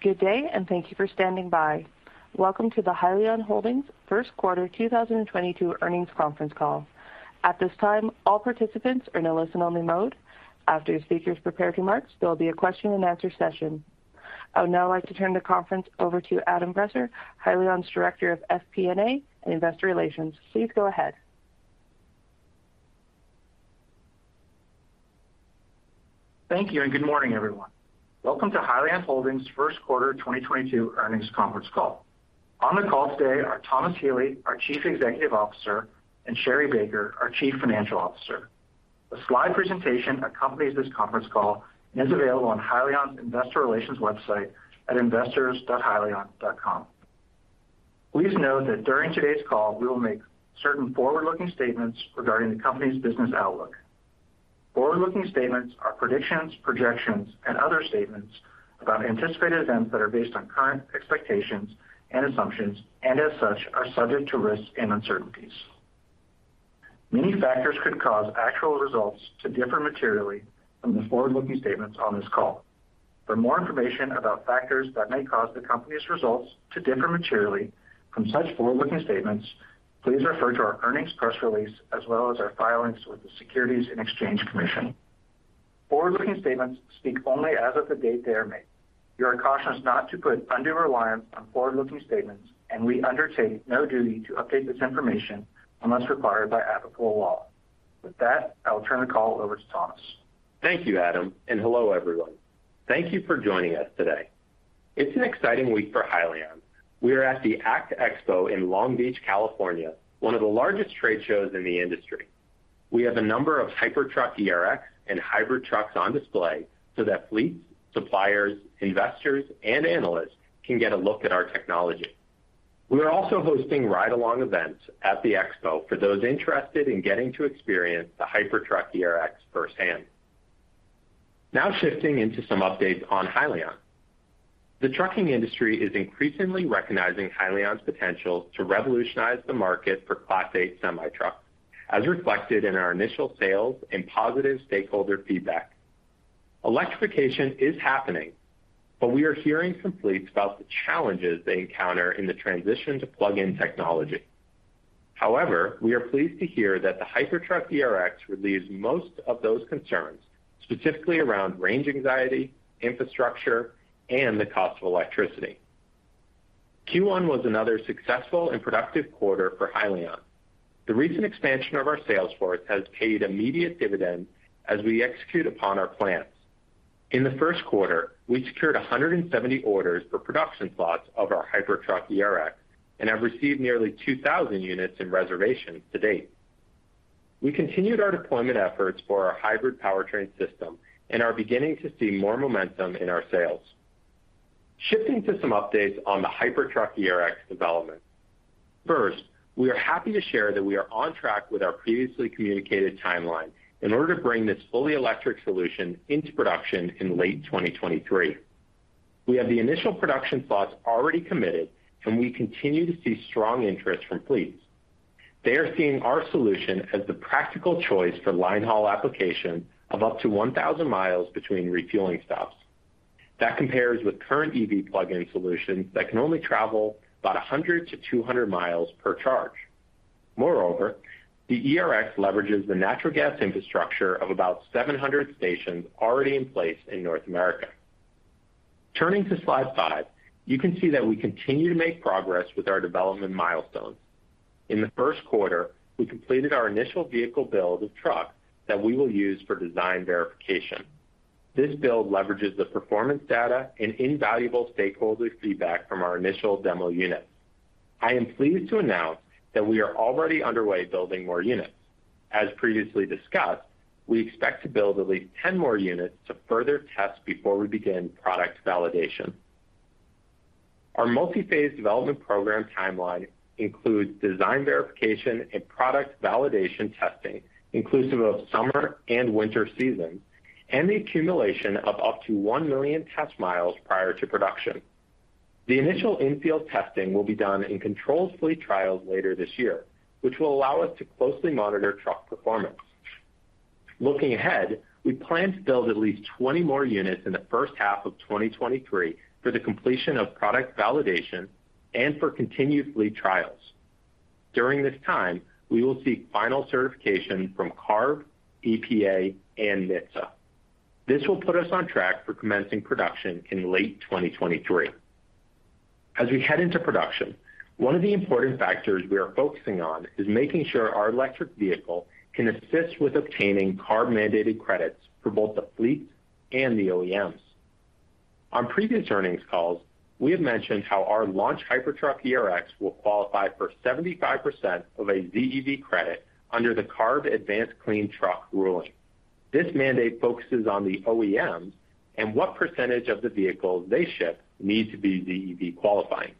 Good day, and thank you for standing by. Welcome to the Hyliion Holdings First Quarter 2022 Earnings Conference Call. At this time, all participants are in a listen only mode. After the speakers prepare remarks, there will be a question and answer session. I would now like to turn the conference over to Adam Bresser, Hyliion's Director of FP&A and Investor Relations. Please go ahead. Thank you and good morning, everyone. Welcome to Hyliion Holdings First Quarter 2022 Earnings Conference Call. On the call today are Thomas Healy, our Chief Executive Officer, and Sherri Baker, our Chief Financial Officer. A slide presentation accompanies this conference call and is available on Hyliion's investor relations website at investors.hyliion.com. Please note that during today's call, we will make certain forward-looking statements regarding the company's business outlook. Forward-looking statements are predictions, projections, and other statements about anticipated events that are based on current expectations and assumptions, and as such, are subject to risks and uncertainties. Many factors could cause actual results to differ materially from the forward-looking statements on this call. For more information about factors that may cause the company's results to differ materially from such forward-looking statements, please refer to our earnings press release as well as our filings with the Securities and Exchange Commission. Forward-looking statements speak only as of the date they are made. You are cautioned not to put undue reliance on forward-looking statements, and we undertake no duty to update this information unless required by applicable law. With that, I will turn the call over to Thomas. Thank you, Adam, and hello, everyone. Thank you for joining us today. It's an exciting week for Hyliion. We are at the ACT Expo in Long Beach, California, one of the largest trade shows in the industry. We have a number of Hypertruck ERX and hybrid trucks on display so that fleets, suppliers, investors and analysts can get a look at our technology. We are also hosting ride along events at the expo for those interested in getting to experience the Hypertruck ERX firsthand. Now shifting into some updates on Hyliion. The trucking industry is increasingly recognizing Hyliion's potential to revolutionize the market for Class eight semi-trucks, as reflected in our initial sales and positive stakeholder feedback. Electrification is happening, but we are hearing from fleets about the challenges they encounter in the transition to plug-in technology. However, we are pleased to hear that the Hypertruck ERX relieves most of those concerns, specifically around range anxiety, infrastructure, and the cost of electricity. Q1 was another successful and productive quarter for Hyliion. The recent expansion of our sales force has paid immediate dividends as we execute upon our plans. In the first quarter, we secured 170 orders for production slots of our Hypertruck ERX and have received nearly 2,000 units in reservations to date. We continued our deployment efforts for our hybrid powertrain system and are beginning to see more momentum in our sales. Shifting to some updates on the Hypertruck ERX development. First, we are happy to share that we are on track with our previously communicated timeline in order to bring this fully electric solution into production in late 2023. We have the initial production slots already committed, and we continue to see strong interest from fleets. They are seeing our solution as the practical choice for line haul application of up to 1000 mi between refueling stops. That compares with current EV plug-in solutions that can only travel about 100 mi-200 mi per charge. Moreover, the ERX leverages the natural gas infrastructure of about 700 stations already in place in North America. Turning to slide five, you can see that we continue to make progress with our development milestones. In the first quarter, we completed our initial vehicle build of truck that we will use for design verification. This build leverages the performance data and invaluable stakeholder feedback from our initial demo unit. I am pleased to announce that we are already underway building more units. As previously discussed, we expect to build at least 10 more units to further test before we begin product validation. Our multi-phase development program timeline includes design verification and product validation testing, inclusive of summer and winter seasons, and the accumulation of up to 1 million test miles prior to production. The initial in-field testing will be done in controlled fleet trials later this year which will allow us to closely monitor truck performance. Looking ahead, we plan to build at least 20 more units in the first half of 2023 for the completion of product validation and for continued fleet trials. During this time, we will seek final certification from CARB, EPA, and NHTSA. This will put us on track for commencing production in late 2023. As we head into production, one of the important factors we are focusing on is making sure our electric vehicle can assist with obtaining CARB-mandated credits for both the fleet and the OEMs. On previous earnings calls, we have mentioned how our launch Hypertruck ERX will qualify for 75% of a ZEV credit under the CARB Advanced Clean Trucks ruling. This mandate focuses on the OEMs and what percentage of the vehicles they ship need to be ZEV qualifying.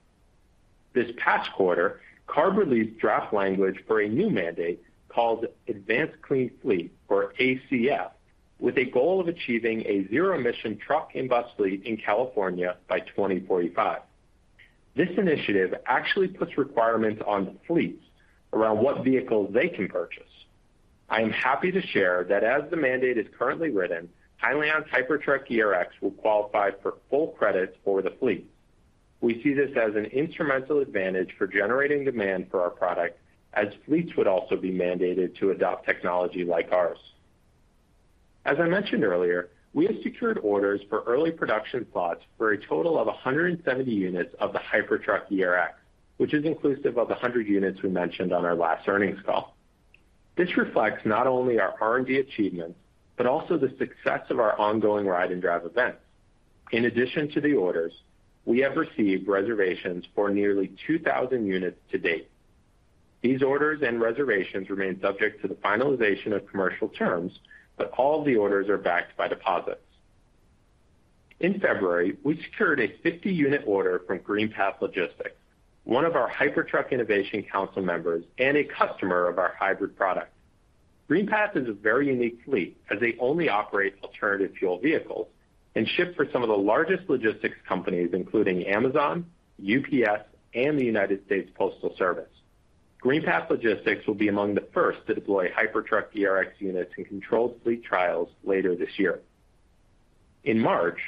This past quarter, CARB released draft language for a new mandate called Advanced Clean Fleets or ACF, with a goal of achieving a zero-emission truck and bus fleet in California by 2045. This initiative actually puts requirements on fleets around what vehicles they can purchase. I am happy to share that as the mandate is currently written, Hyliion's Hypertruck ERX will qualify for full credits for the fleet. We see this as an instrumental advantage for generating demand for our product as fleets would also be mandated to adopt technology like ours. As I mentioned earlier, we have secured orders for early production plots for a total of 170 units of the Hypertruck ERX, which is inclusive of the 100 units we mentioned on our last earnings call. This reflects not only our R&D achievements but also the success of our ongoing ride and drive events. In addition to the orders, we have received reservations for nearly 2,000 units to date. These orders and reservations remain subject to the finalization of commercial terms but all the orders are backed by deposits. In February, we secured a 50-unit order from GreenPath Logistics, one of our Hypertruck Innovation Council members and a customer of our hybrid product. GreenPath Logistics is a very unique fleet as they only operate alternative fuel vehicles and ship for some of the largest logistics companies, including Amazon, UPS, and the United States Postal Service. GreenPath Logistics will be among the first to deploy Hypertruck ERX units in controlled fleet trials later this year. In March,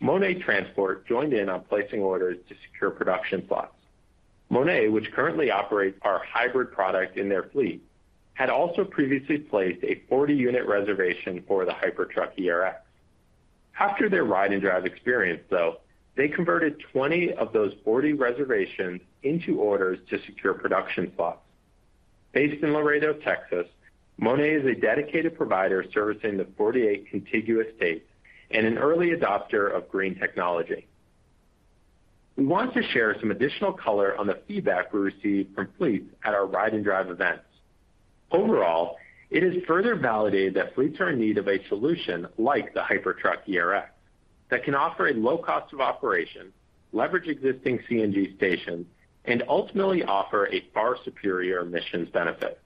Mone Transport joined in on placing orders to secure production slots. Mone Transport, which currently operates our hybrid product in their fleet, had also previously placed a 40-unit reservation for the Hypertruck ERX. After their ride and drive experience, though, they converted 20 of those 40 reservations into orders to secure production slots. Based in Laredo, Texas, Mone Transport is a dedicated provider servicing the 48 contiguous states and an early adopter of green technology. We want to share some additional color on the feedback we received from fleets at our ride and drive events. Overall, it has further validated that fleets are in need of a solution like the Hypertruck ERX that can offer a low cost of operation, leverage existing CNG stations, and ultimately offer a far superior emissions benefit.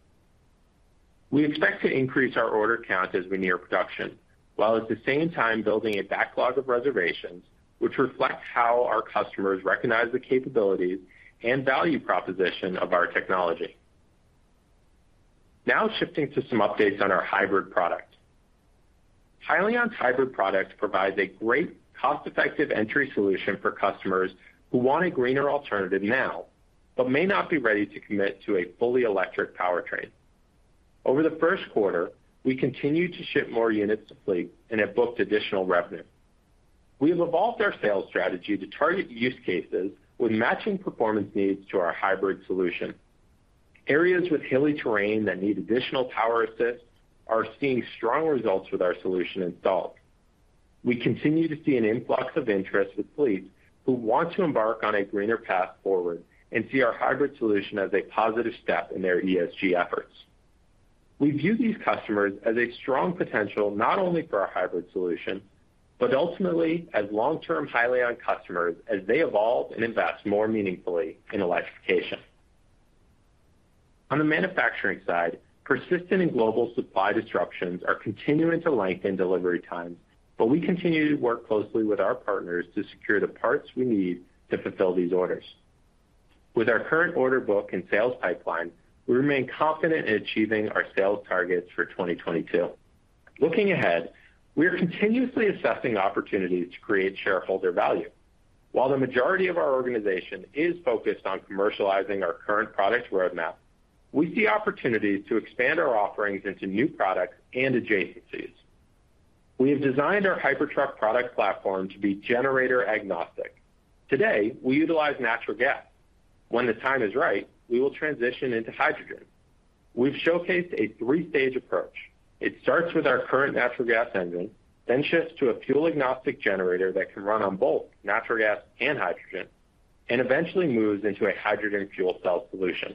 We expect to increase our order count as we near production, while at the same time building a backlog of reservations which reflects how our customers recognize the capabilities and value proposition of our technology. Now shifting to some updates on our hybrid product. Hyliion's hybrid product provides a great cost-effective entry solution for customers who want a greener alternative now but may not be ready to commit to a fully electric powertrain. Over the first quarter, we continued to ship more units to fleets and have booked additional revenue. We have evolved our sales strategy to target use cases with matching performance needs to our hybrid solution. Areas with hilly terrain that need additional power assist are seeing strong results with our solution installed. We continue to see an influx of interest with fleets who want to embark on a greener path forward and see our hybrid solution as a positive step in their ESG efforts. We view these customers as a strong potential, not only for our hybrid solution, but ultimately as long-term Hyliion customers as they evolve and invest more meaningfully in electrification. On the manufacturing side, persistent and global supply disruptions are continuing to lengthen delivery times but we continue to work closely with our partners to secure the parts we need to fulfill these orders. With our current order book and sales pipeline, we remain confident in achieving our sales targets for 2022. Looking ahead, we are continuously assessing opportunities to create shareholder value. While the majority of our organization is focused on commercializing our current product roadmap, we see opportunities to expand our offerings into new products and adjacencies. We have designed our Hypertruck product platform to be generator agnostic. Today, we utilize natural gas. When the time is right, we will transition into hydrogen. We've showcased a three-stage approach. It starts with our current natural gas engine, then shifts to a fuel agnostic generator that can run on both natural gas and hydrogen, and eventually moves into a hydrogen fuel cell solution.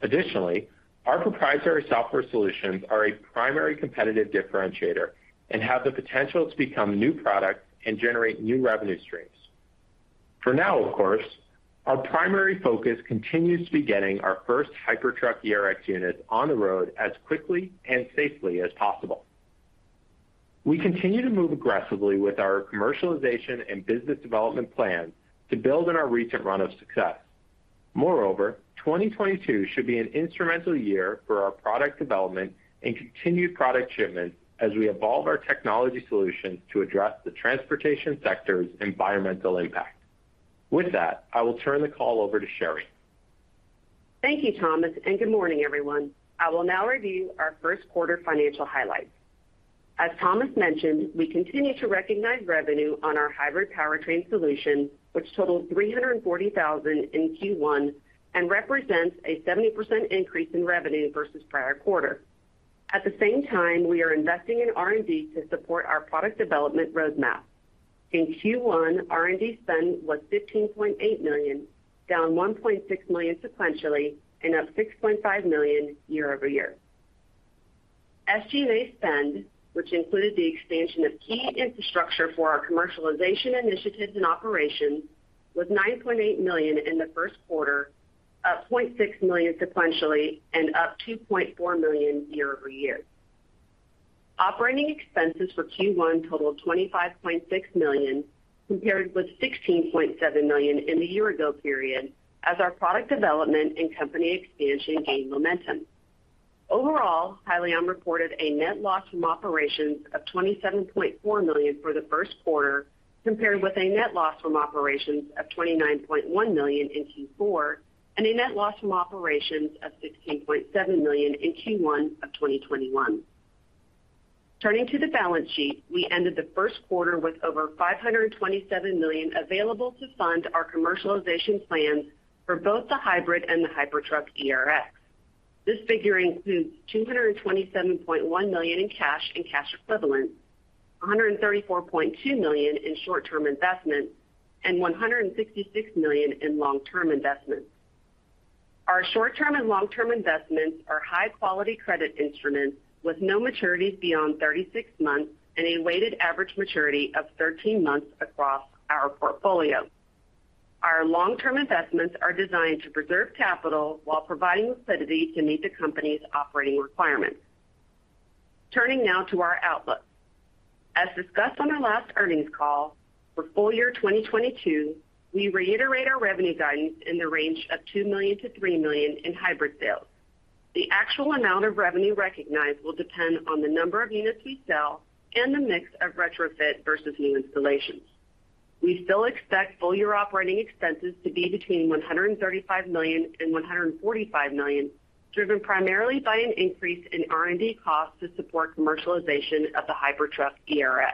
Additionally, our proprietary software solutions are a primary competitive differentiator and have the potential to become new products and generate new revenue streams. For now, of course, our primary focus continues to be getting our first Hypertruck ERX units on the road as quickly and safely as possible. We continue to move aggressively with our commercialization and business development plan to build on our recent run of success. Moreover, 2022 should be an instrumental year for our product development and continued product shipments as we evolve our technology solutions to address the transportation sector's environmental impact. With that, I will turn the call over to Sherri. Thank you, Thomas, and good morning, everyone. I will now review our first quarter financial highlights. As Thomas mentioned, we continue to recognize revenue on our hybrid powertrain solution which totals $340,000 in Q1 and represents a 70% increase in revenue versus prior quarter. At the same time, we are investing in R&D to support our product development roadmap. In Q1, R&D spend was $15.8 million, down $1.6 million sequentially and up $6.5 million year-over-year. SG&A spend, which included the expansion of key infrastructure for our commercialization initiatives and operations, was $9.8 million in the first quarter, up $0.6 million sequentially and up $2.4 million year-over-year. Operating expenses for Q1 totaled $25.6 million compared with $16.7 million in the year ago period as our product development and company expansion gained momentum. Overall, Hyliion reported a net loss from operations of $27.4 million for the first quarter compared with a net loss from operations of $29.1 million in Q4 and a net loss from operations of $16.7 million in Q1 of 2021. Turning to the balance sheet, we ended the first quarter with over $527 million available to fund our commercialization plans for both the hybrid and the Hypertruck ERX. This figure includes $227.1 million in cash and cash equivalents, $134.2 million in short-term investments, and $166 million in long-term investments. Our short-term and long-term investments are high-quality credit instruments with no maturities beyond 36 months and a weighted average maturity of 13 months across our portfolio. Our long-term investments are designed to preserve capital while providing liquidity to meet the company's operating requirements. Turning now to our outlook. As discussed on our last earnings call, for full year 2022, we reiterate our revenue guidance in the range of $2 million-$3 million in hybrid sales. The actual amount of revenue recognized will depend on the number of units we sell and the mix of retrofit versus new installations. We still expect full year operating expenses to be between $135 million and $145 million, driven primarily by an increase in R&D costs to support commercialization of the Hypertruck ERX.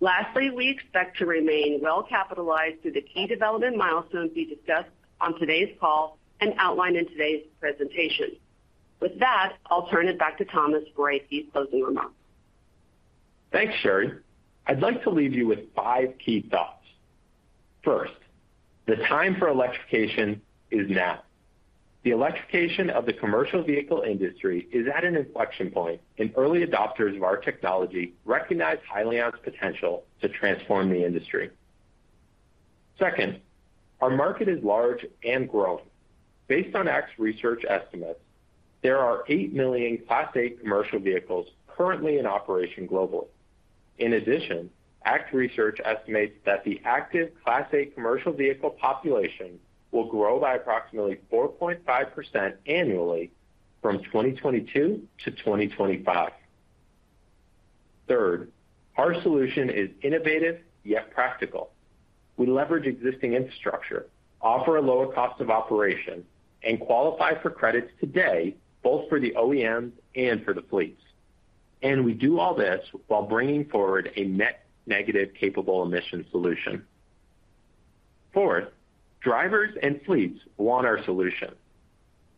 Lastly, we expect to remain well-capitalized through the key development milestones we discussed on today's call and outlined in today's presentation. With that, I'll turn it back to Thomas for a few closing remarks. Thanks, Sherri. I'd like to leave you with five key thoughts. First, the time for electrification is now. The electrification of the commercial vehicle industry is at an inflection point and early adopters of our technology recognize Hyliion's potential to transform the industry. Second, our market is large and growing. Based on ACT Research estimates, there are 8 million Class 8 commercial vehicles currently in operation globally. In addition, ACT Research estimates that the active Class 8 commercial vehicle population will grow by approximately 4.5% annually from 2022 to 2025. Third, our solution is innovative yet practical. We leverage existing infrastructure, offer a lower cost of operation, and qualify for credits today both for the OEMs and for the fleets. We do all this while bringing forward a net negative capable emission solution. Fourth, drivers and fleets want our solution.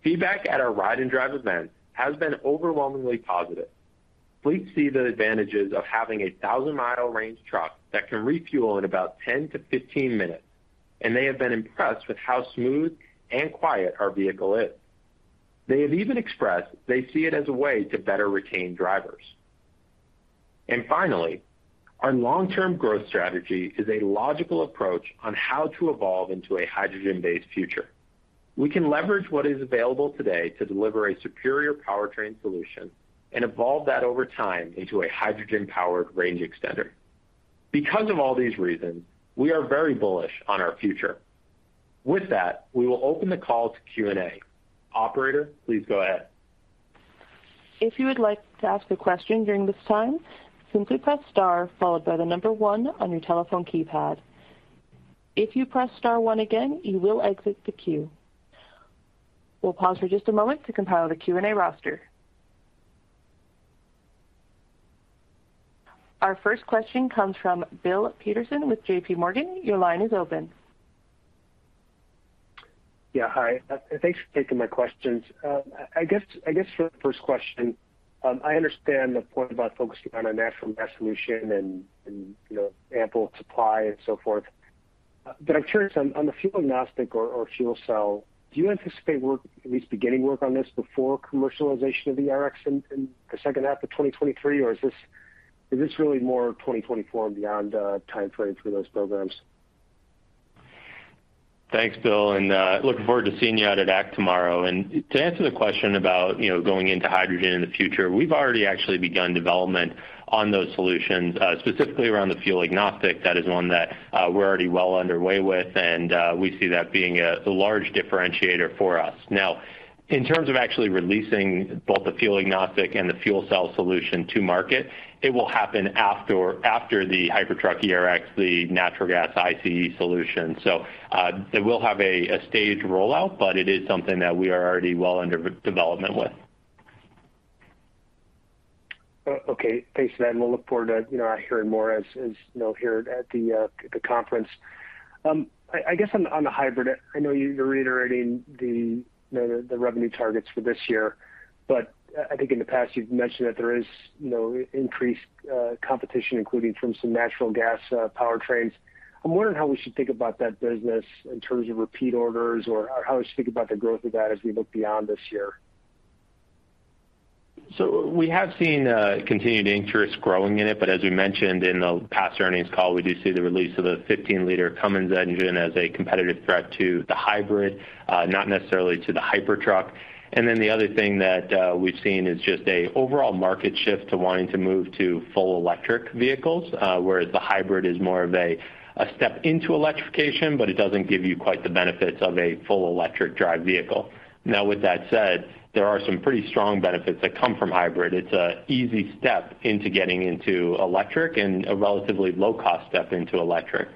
Feedback at our ride and drive events has been overwhelmingly positive. Fleets see the advantages of having a 1,000-mile range truck that can refuel in about 10-15 minutes, and they have been impressed with how smooth and quiet our vehicle is. They have even expressed they see it as a way to better retain drivers. Finally, our long-term growth strategy is a logical approach on how to evolve into a hydrogen-based future. We can leverage what is available today to deliver a superior powertrain solution and evolve that over time into a hydrogen-powered range extender. Because of all these reasons, we are very bullish on our future. With that, we will open the call to Q&A. Operator, please go ahead. If you would like to ask a question during this time, simply press star followed by the number one on your telephone keypad. If you press star one again, you will exit the queue. We'll pause for just a moment to compile the Q&A roster. Our first question comes from Bill Peterson with JPMorgan. Your line is open. Yeah. Hi, thanks for taking my questions. I guess for the first question, I understand the point about focusing on a natural gas solution and, you know, ample supply and so forth. But I'm curious on the fuel agnostic or fuel cell. Do you anticipate work, at least beginning work on this before commercialization of the ERX in the second half of 2023, or is this really more 2024 and beyond timeframe for those programs? Thanks, Bill and looking forward to seeing you out at ACT tomorrow. To answer the question about, you know, going into hydrogen in the future, we've already actually begun development on those solutions, specifically around the fuel agnostic. That is one that we're already well underway with, and we see that being a large differentiator for us. Now, in terms of actually releasing both the fuel agnostic and the fuel cell solution to market, it will happen after the Hypertruck ERX, the natural gas ICE solution. It will have a staged rollout but it is something that we are already well under development with. Okay thanks for that. We'll look forward to, you know, hearing more as you know here at the conference. I guess on the hybrid, I know you're reiterating the you know the revenue targets for this year, but I think in the past you've mentioned that there is you know increased competition, including from some natural gas powertrains. I'm wondering how we should think about that business in terms of repeat orders or how we should think about the growth of that as we look beyond this year? We have seen continued interest growing in it, but as we mentioned in the past earnings call, we do see the release of the 15-liter Cummins engine as a competitive threat to the hybrid, not necessarily to the Hypertruck. The other thing that we've seen is just an overall market shift to wanting to move to full electric vehicles, whereas the hybrid is more of a step into electrification but it doesn't give you quite the benefits of a full electric drive vehicle. Now with that said, there are some pretty strong benefits that come from hybrid. It's an easy step into getting into electric and a relatively low-cost step into electric.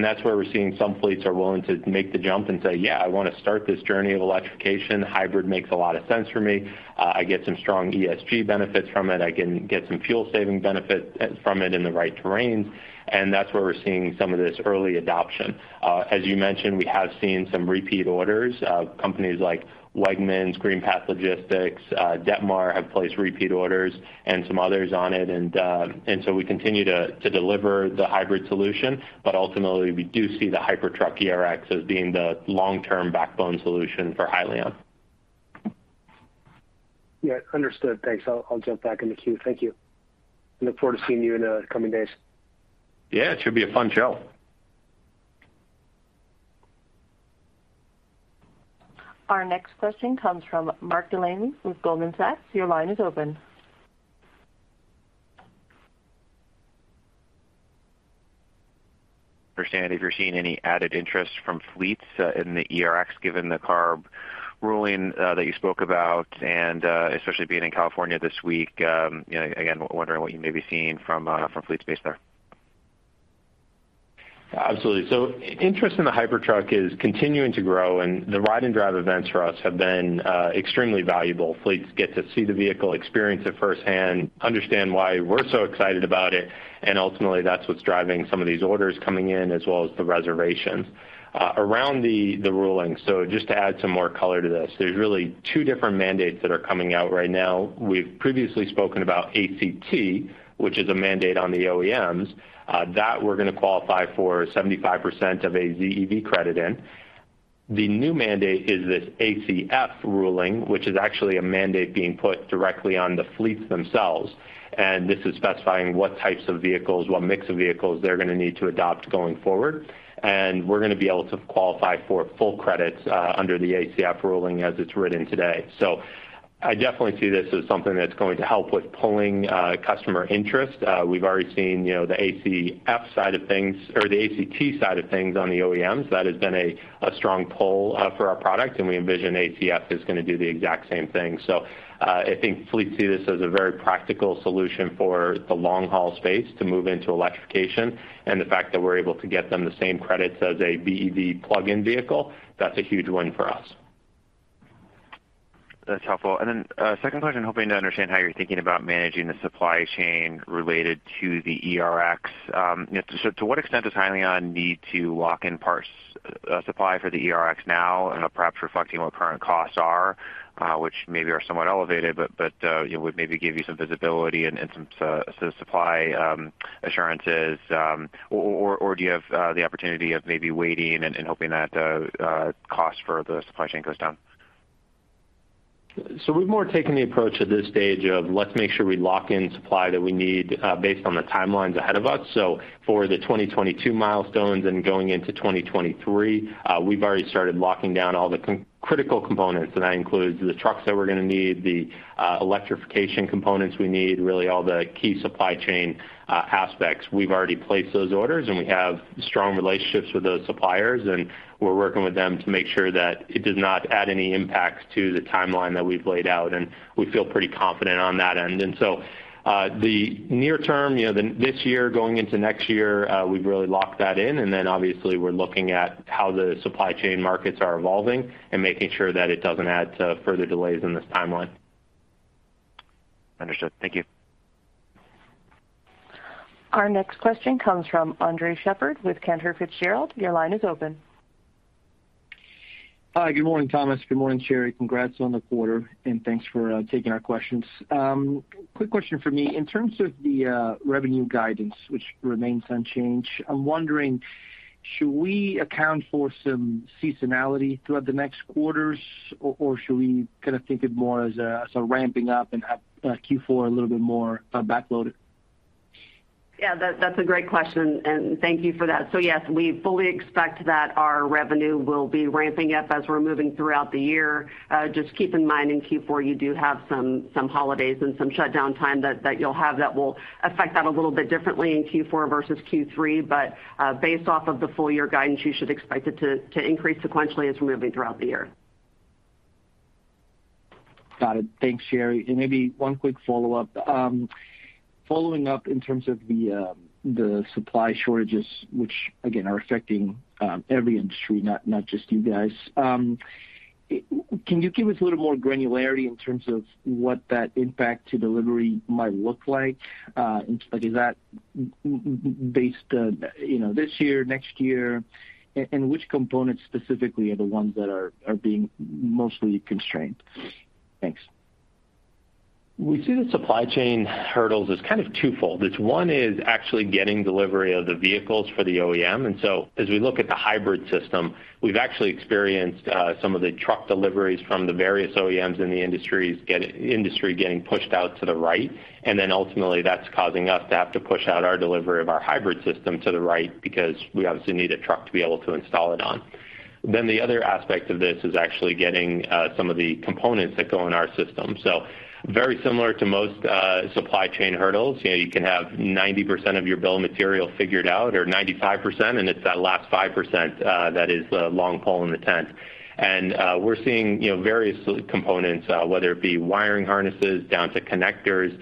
That's where we're seeing some fleets are willing to make the jump and say, "Yeah, I wanna start this journey of electrification. Hybrid makes a lot of sense for me. I get some strong ESG benefits from it. I can get some fuel saving benefit from it in the right terrains." That's where we're seeing some of this early adoption. As you mentioned, we have seen some repeat orders of companies like Wegmans, GreenPath Logistics, Detmar have placed repeat orders and some others on it. So we continue to deliver the hybrid solution but ultimately we do see the Hypertruck ERX as being the long-term backbone solution for Hyliion. Yeah, understood. Thanks, I'll jump back in the queue. Thank you. Look forward to seeing you in the coming days. Yeah, it should be a fun show. Our next question comes from Mark Delaney with Goldman Sachs. Your line is open. For Sandy, if you're seeing any added interest from fleets in the ERX given the CARB ruling that you spoke about and especially being in California this week, you know, again, wondering what you may be seeing from fleets based there? Absolutely. Interest in the Hypertruck is continuing to grow and the ride and drive events for us have been extremely valuable. Fleets get to see the vehicle, experience it firsthand, understand why we're so excited about it, and ultimately that's what's driving some of these orders coming in as well as the reservations. Around the ruling, just to add some more color to this, there's really two different mandates that are coming out right now. We've previously spoken about ACT which is a mandate on the OEMs that we're gonna qualify for 75% of a ZEV credit in. The new mandate is this ACF ruling, which is actually a mandate being put directly on the fleets themselves and this is specifying what types of vehicles, what mix of vehicles they're gonna need to adopt going forward. We're gonna be able to qualify for full credits under the ACF ruling as it's written today. I definitely see this as something that's going to help with pulling customer interest. We've already seen, you know, the ACF side of things or the ACT side of things on the OEMs. That has been a strong pull for our product and we envision ACF is gonna do the exact same thing. I think fleets see this as a very practical solution for the long-haul space to move into electrification and the fact that we're able to get them the same credits as a BEV plug-in vehicle, that's a huge win for us. That's helpful. Second question, hoping to understand how you're thinking about managing the supply chain related to the ERX. To what extent does Hyliion need to lock in parts, supply for the ERX now and perhaps reflecting what current costs are, which maybe are somewhat elevated but you know, would maybe give you some visibility and some supply, assurances, or do you have the opportunity of maybe waiting and hoping that cost for the supply chain goes down? We've more taken the approach at this stage of let's make sure we lock in supply that we need, based on the timelines ahead of us. For the 2022 milestones and going into 2023, we've already started locking down all the critical components, and that includes the trucks that we're gonna need, the electrification components we need, really all the key supply chain aspects. We've already placed those orders and we have strong relationships with those suppliers and we're working with them to make sure that it does not add any impact to the timeline that we've laid out and we feel pretty confident on that end. The near term, you know, this year going into next year, we've really locked that in, and then obviously we're looking at how the supply chain markets are evolving and making sure that it doesn't add to further delays in this timeline. Understood. Thank you. Our next question comes from Andres Sheppard with Cantor Fitzgerald. Your line is open. Hi. Good morning, Thomas. Good morning, Sherri. Congrats on the quarter and thanks for taking our questions. Quick question for me. In terms of the revenue guidance, which remains unchanged, I'm wondering should we account for some seasonality throughout the next quarters or should we kind of think it more as a ramping up and have Q4 a little bit more backloaded? Yeah, that's a great question and thank you for that. Yes, we fully expect that our revenue will be ramping up as we're moving throughout the year. Just keep in mind in Q4 you do have some holidays and some shutdown time that you'll have that will affect that a little bit differently in Q4 versus Q3. Based off of the full year guidance, you should expect it to increase sequentially as we're moving throughout the year. Got it. Thanks, Sherri. Maybe one quick follow-up. Following up in terms of the supply shortages, which again are affecting every industry, not just you guys. Can you give us a little more granularity in terms of what that impact to delivery might look like? Like is that based, you know, this year, next year? And which components specifically are the ones that are being mostly constrained? Thanks. We see the supply chain hurdles as kind of twofold. It's one is actually getting delivery of the vehicles for the OEM. As we look at the hybrid system, we've actually experienced some of the truck deliveries from the various OEMs in the industry getting pushed out to the right. And then ultimately that's causing us to have to push out our delivery of our hybrid system to the right because we obviously need a truck to be able to install it on. The other aspect of this is actually getting some of the components that go in our system. Very similar to most supply chain hurdles. You know, you can have 90% of your bill of material figured out or 95%, and it's that last 5% that is the long pole in the tent. We're seeing, you know, various components, whether it be wiring harnesses down to connectors,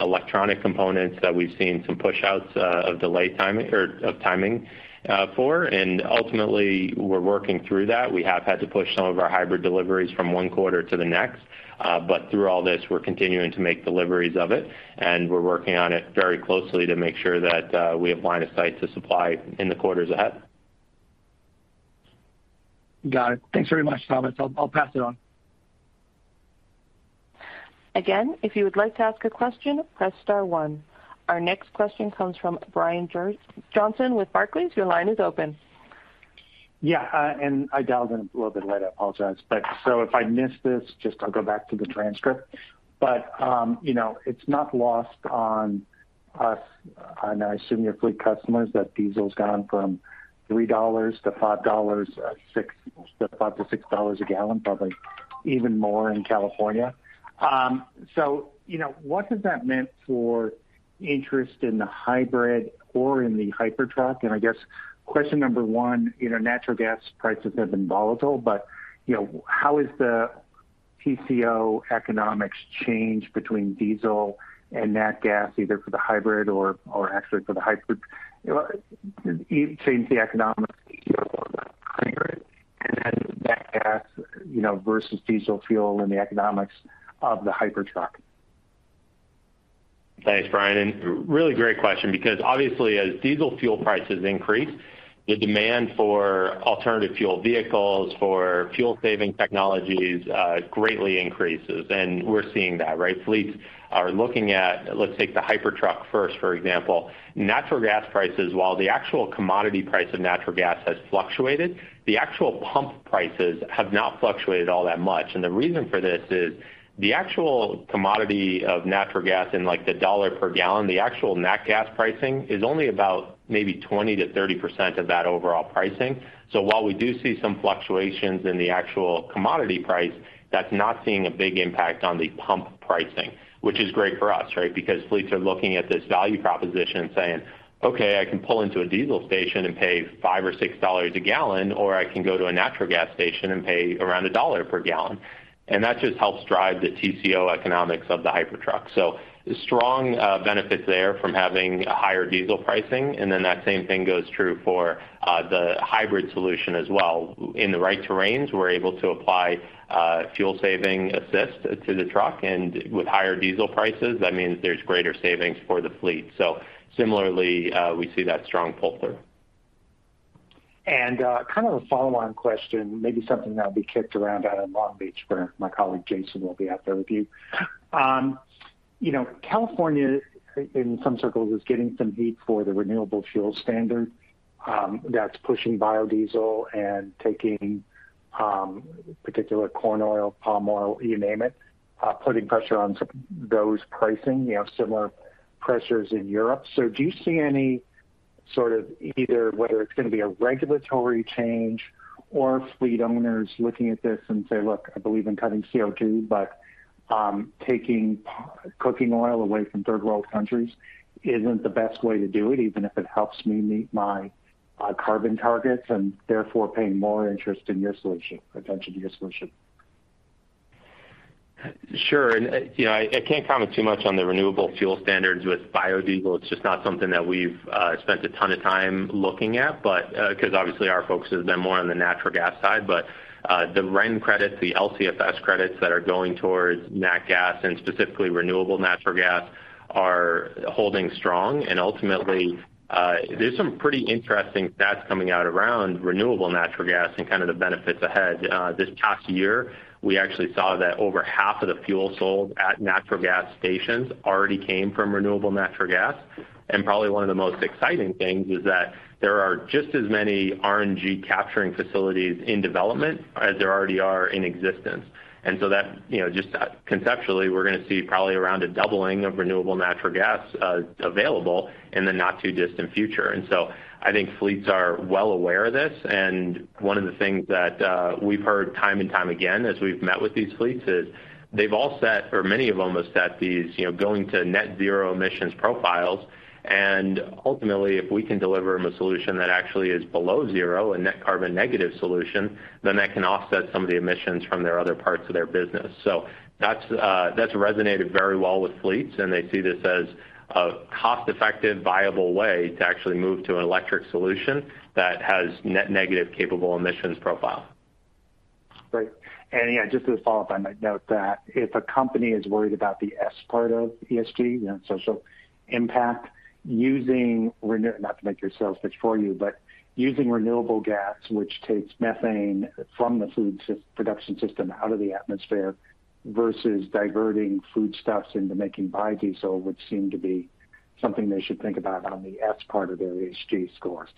electronic components that we've seen some pushouts of delivery timing. Ultimately we're working through that. We have had to push some of our hybrid deliveries from one quarter to the next. Through all this, we're continuing to make deliveries of it, and we're working on it very closely to make sure that we have line of sight to supply in the quarters ahead. Got it. Thanks very much, Thomas. I'll pass it on. Again, if you would like to ask a question, press star one. Our next question comes from Brian Johnson with Barclays. Your line is open. Yeah, I dialed in a little bit late. I apologize. If I miss this, just I'll go back to the transcript. You know, it's not lost on us and I assume your fleet customers that diesel's gone from $3 to $5-$6 a gallon, probably even more in California. You know, what has that meant for interest in the hybrid or in the Hypertruck? I guess question number one, you know, natural gas prices have been volatile, but, you know, how is the TCO economics change between diesel and nat gas either for the hybrid or actually for the Hypertruck? You know, change the economics and then nat gas, you know, versus diesel fuel and the economics of the Hypertruck. Thanks, Brian and really great question because obviously as diesel fuel prices increase, the demand for alternative fuel vehicles, for fuel saving technologies, greatly increases. We're seeing that, right? Fleets are looking at, let's take the Hypertruck first, for example. Natural gas prices, while the actual commodity price of natural gas has fluctuated, the actual pump prices have not fluctuated all that much. The reason for this is the actual commodity of natural gas in like the dollar per gallon, the actual nat gas pricing is only about maybe 20%-30% of that overall pricing. While we do see some fluctuations in the actual commodity price, that's not seeing a big impact on the pump pricing, which is great for us, right? Because fleets are looking at this value proposition saying, "Okay, I can pull into a diesel station and pay $5 or $6 a gallon, or I can go to a natural gas station and pay around $1 per gallon." That just helps drive the TCO economics of the Hypertruck. Strong benefit there from having a higher diesel pricing. Then that same thing goes true for the hybrid solution as well. In the right terrains, we're able to apply fuel saving assist to the truck, and with higher diesel prices, that means there's greater savings for the fleet. Similarly, we see that strong pull through. Kind of a follow-on question, maybe something that'll be kicked around out in Long Beach where my colleague Jason will be out there with you. You know, California in some circles is getting some heat for the renewable fuel standard, that's pushing biodiesel and taking particular corn oil, palm oil, you name it, putting pressure on some of those pricing. You have similar pressures in Europe. Do you see any sort of either whether it's gonna be a regulatory change or fleet owners looking at this and say, "Look, I believe in cutting CO2, but taking cooking oil away from third world countries isn't the best way to do it, even if it helps me meet my carbon targets, and therefore paying more attention to your solution. Sure. You know, I can't comment too much on the renewable fuel standards with biodiesel. It's just not something that we've spent a ton of time looking at, but 'cause obviously our focus has been more on the natural gas side. The RIN credits, the LCFS credits that are going towards nat gas and specifically renewable natural gas are holding strong. Ultimately, there's some pretty interesting stats coming out around renewable natural gas and kind of the benefits ahead. This past year, we actually saw that over half of the fuel sold at natural gas stations already came from renewable natural gas. Probably one of the most exciting things is that there are just as many RNG capturing facilities in development as there already are in existence. That, you know, just conceptually, we're gonna see probably around a doubling of renewable natural gas available in the not too distant future. I think fleets are well aware of this. One of the things that we've heard time and time again as we've met with these fleets is they've all set or many of them have set these, you know, going to net zero emissions profiles. Ultimately, if we can deliver them a solution that actually is below zero, a net carbon negative solution, then that can offset some of the emissions from their other parts of their business. That's resonated very well with fleets and they see this as a cost-effective, viable way to actually move to an electric solution that has net negative capable emissions profile. Right. Yeah, just as a follow-up, I might note that if a company is worried about the S part of ESG, you know, social impact using renewable gas, not to make your sales pitch for you, but using renewable gas, which takes methane from the food production system out of the atmosphere versus diverting foodstuffs into making biodiesel, would seem to be something they should think about on the S part of their ESG scores?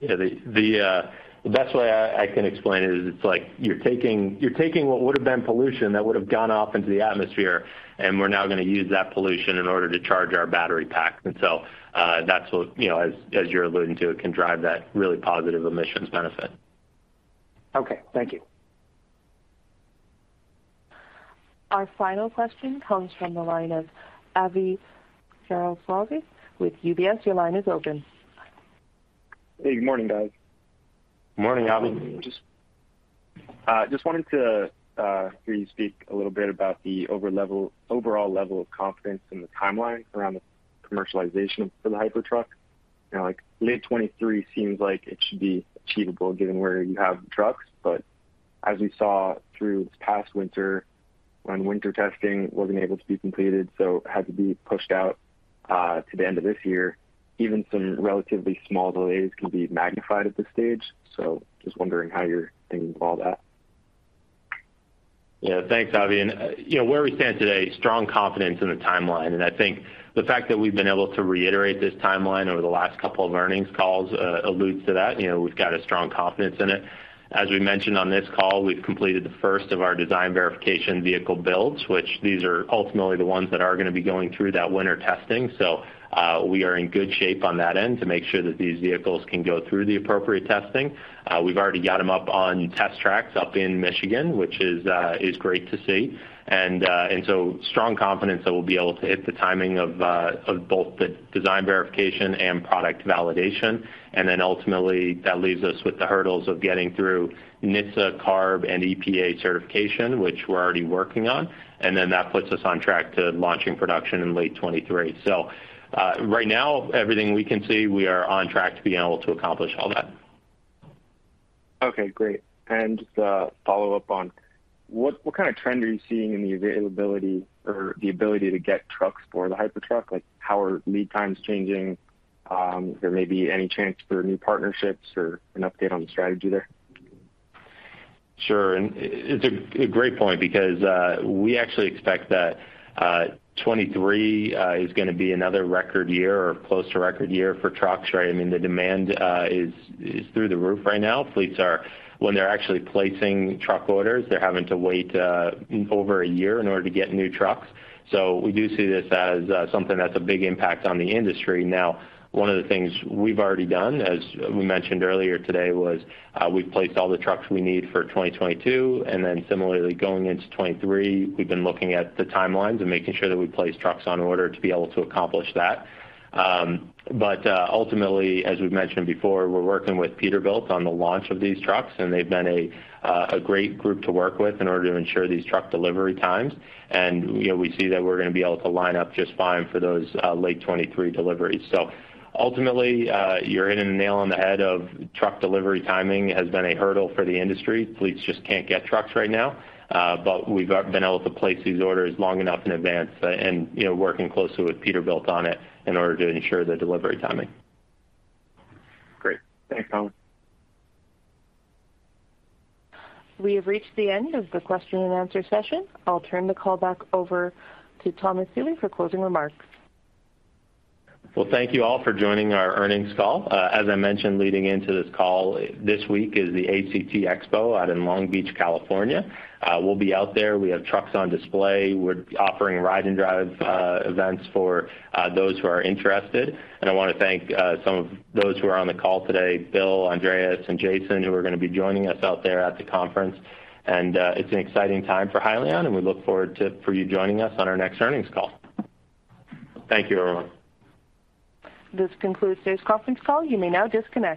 Yeah. The best way I can explain it is it's like you're taking what would have been pollution that would have gone off into the atmosphere and we're now gonna use that pollution in order to charge our battery pack. That's what, you know, as you're alluding to, it can drive that really positive emissions benefit. Okay. Thank you. Our final question comes from the line of Avi Jaroslawicz with UBS. Your line is open. Hey, good morning, guys. Morning, Avi. Just wanted to hear you speak a little bit about the overall level of confidence in the timeline around the commercialization for the Hypertruck. You know, like, late 2023 seems like it should be achievable given where you have trucks, but as we saw through this past winter when winter testing wasn't able to be completed, so had to be pushed out to the end of this year, even some relatively small delays can be magnified at this stage. Just wondering how you're thinking of all that? Yeah. Thanks, Avi. You know, where we stand today, strong confidence in the timeline. I think the fact that we've been able to reiterate this timeline over the last couple of earnings calls alludes to that. You know, we've got a strong confidence in it. As we mentioned on this call, we've completed the first of our design verification vehicle builds, which these are ultimately the ones that are gonna be going through that winter testing. We are in good shape on that end to make sure that these vehicles can go through the appropriate testing. We've already got them up on test tracks up in Michigan, which is great to see. Strong confidence that we'll be able to hit the timing of both the design verification and product validation. Ultimately that leaves us with the hurdles of getting through NHTSA, CARB, and EPA certification, which we're already working on. That puts us on track to launching production in late 2023. Right now, everything we can see, we are on track to being able to accomplish all that. Okay, great. Just a follow-up on, what kind of trend are you seeing in the availability or the ability to get trucks for the Hypertruck? Like, how are lead times changing? Is there any chance for new partnerships or an update on the strategy there? Sure. It's a great point because we actually expect that 2023 is gonna be another record year or close to record year for trucks, right? I mean, the demand is through the roof right now. Fleets are-when they're actually placing truck orders, they're having to wait over a year in order to get new trucks. We do see this as something that's a big impact on the industry. Now, one of the things we've already done, as we mentioned earlier today, was we've placed all the trucks we need for 2022. Then similarly, going into 2023, we've been looking at the timelines and making sure that we place trucks on order to be able to accomplish that. Ultimately, as we've mentioned before, we're working with Peterbilt on the launch of these trucks and they've been a great group to work with in order to ensure these truck delivery times. You know, we see that we're gonna be able to line up just fine for those late 2023 deliveries. Ultimately, you're hitting the nail on the head of truck delivery timing has been a hurdle for the industry. Fleets just can't get trucks right now. We've been able to place these orders long enough in advance and, you know, working closely with Peterbilt on it in order to ensure the delivery timing. Great. Thanks, Thom. We have reached the end of the question and answer session. I'll turn the call back over to Thomas Healy for closing remarks. Well, thank you all for joining our earnings call. As I mentioned, leading into this call, this week is the ACT Expo out in Long Beach, California. We'll be out there. We have trucks on display. We're offering ride and drive events for those who are interested. I wanna thank some of those who are on the call today, Bill, Andres, and Jason, who are gonna be joining us out there at the conference. It's an exciting time for Hyliion, and we look forward to you joining us on our next earnings call. Thank you, everyone. This concludes today's conference call. You may now disconnect.